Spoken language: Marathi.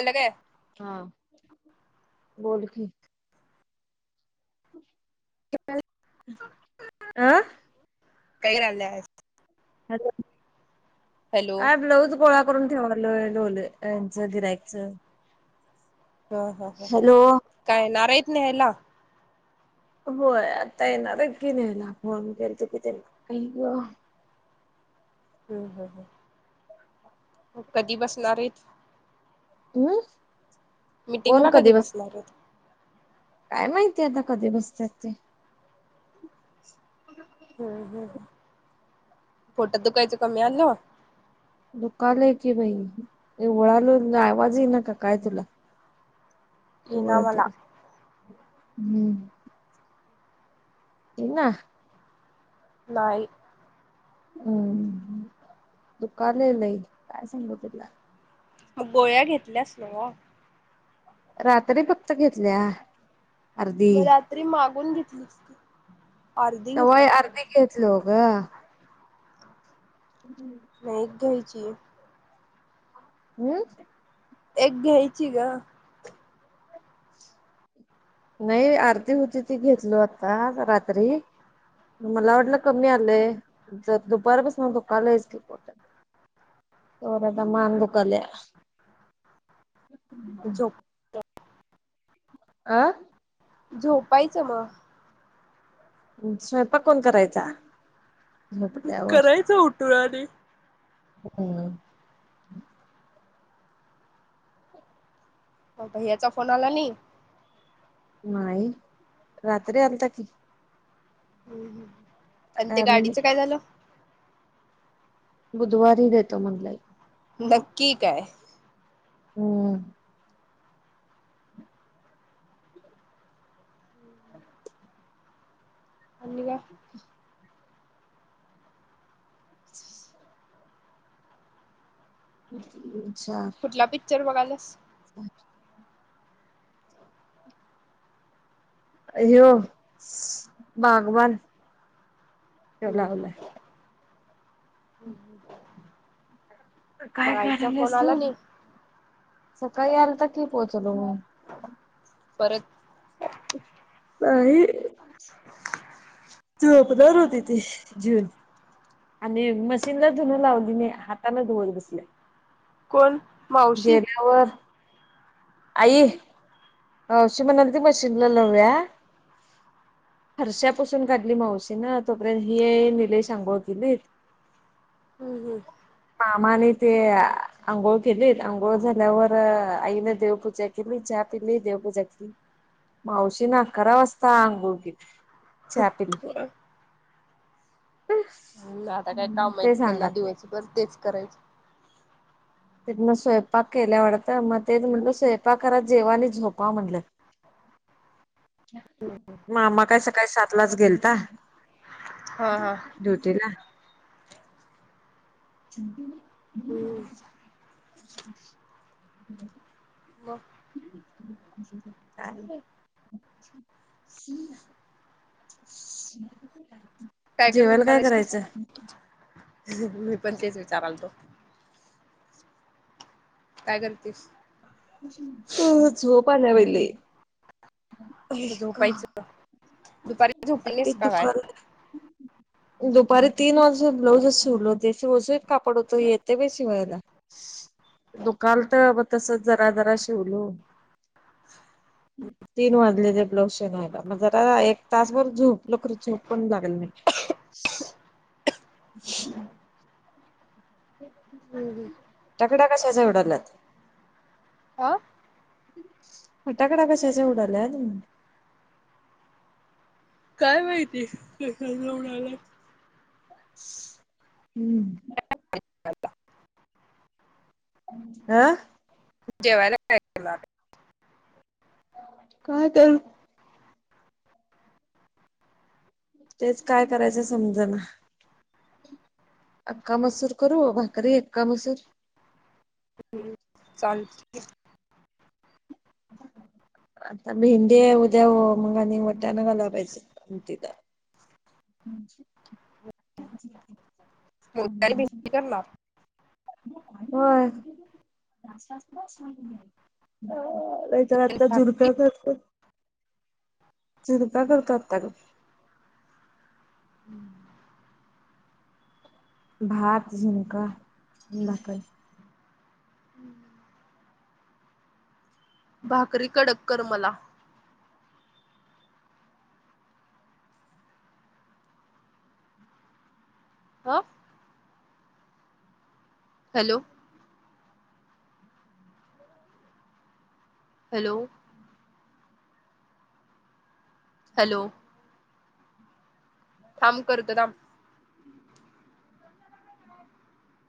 अंल र. हा, बोल की. [unintelligible] अं काय रालंय आज. हॅलो, हॅलो आ ब्लाऊज गोळा करून ठेवालोय लोले यांचं गिऱ्हाईकचं. हा हा हा, काय येणार आहेत न्यहला. होय आता येणार कीन यायला फोन केल तो कि ते त्याला आई ग. [unintelligible] हम्म हम्म हम्म कधी बसणार आहेत. हम [unintelligible] मीटिंग ला कधी बसणार हेत. काय माहिती आता कधी बसतात ते. ह [inaudible] हम्म हम्म हम्म फोटात दुखायचं कमी आल. [unintelligible] दुखलय की बाई ओळाल आवाज येई नका काय तुला. [unintelligible] येईना एवरी मला हम्म. [unintelligible] इना [unintelligible] नाही. हम्म हम्म दुकालेलंयई काय सांगू तुला. मग गोळ्या घेतल्यास नव. रात्री फक्त घेतल्या. अर्धी म रात्री मागून घेतली असती. त वय अर्धी घेतलो गं. हम्म. एक घ्यायची. हम्म. एक घ्यायची ग. नाही आर्धी होती ती घेतलो आता ग रात्री. मला वाटलं कमी आलंय जर दुपारपसन दुकालास की पोटात. तवरादा मान दुखल्या हम्म. [unintelligible] झोप अ. झोपायचं म. स्वयंपाक कोणी करायचा झोपल्यावर. करायचं उठून आणि हम्म. हावता ह्याचा फोन आला नाही. नाही रात्री आलता की. हम्म हम्म आण ते काय मी गाडीचं काय झालं. बुधवारी देतो म्हणालाय. नक्की काय? हम्म. हम [inaudible] आणि काय अ् [unintelligible] [inaudible] अच्छा. [unintelligible] कुठला पिक्चर बघायलास. [unintelligible] ह्यो बागवान ह्यो लावलाय. हम्म हम्म हम्म. काय मग आईचा फोन करायलेस आला तू नाही सकाळी आलता की पोहचलो मंग. परत नाही. झोपणार होती ती जीवुन. आणि मशीनला धुन लावली म्या हाताला धुवत बसल्या. कोण मावशी. आवर [unintelligible] आई अशी म्हणाल ती मशीनला लावुया. फरशापासून काढली मावशी न, तोपर्यंत हे निलेश ने अंघोळ केलीत. हम्म हम्म. पामाने ते आंघोळ केली आंघोळ झाल्यावर आईनं देव पूजा केली चहा पिली देव पूजा मावशीनं आकरा वाजता अंघोळ केली, चहा पिली. [unintelligible] हम्म आता काय काम हाइत ते त्यांना सांगाल दिवसभर तेच करायचं. तेन स्वयंपाक केल्या वाडतं मग तेच म्हटलं स्वयंपाक करा जेवा आणि झोपा म्हटलं. मामा काय सकाळी सातलाचं गेलता हा हा. ड्युटीला. हम्म. मग? काय नाही. जेवायला करणार काय आहेस करायचं? मी पण तेच विचारालतो. काय करतीस? अ झोप आल्या बाई लई. म झोपायच. पाटीत दुकालंय. [inaudible] दुपारी तीन वाजून ब्लाऊजच सोडलो ते सुळसुळीत कापड होतं येतय बाई शिवायला. दुकालतं मग तसच जरा जरा शिवलो. तीन वाजले ते ब्लाऊज शीवायला मग जा आता एक तासभर झोपलो खरं झोप पण लागली नाही. [inaudible] फटाकड्या कशाच्या उवडालात? हा. फटाकड्या कशाच्या उडाल्यात? काय माहिती कशाच्या उडाल्यात. हम्म. [unintelligible] हं. जेवायला काय केलं आता? काय करू? तेच काय करायचं समजना. अक्का मसूर करू, भाकरी अक्का मसूर? हम्म चालतय. [inaudible] आता मेहंदी हाय उद्या मंग आणि वटानं घालाय पाहिजेत इथं. [unintelligible] [unintelligible] भिंडी करणार? होय आ. नाहीतर आत्ता झुरप्या करत्यात झुरप्या करता आता ग. हम्म. भात झूणका आणि भाकरी. हम्म. भाकरी कडक कर मला. हा. Hello hello. हॅलो थांब करते थांब.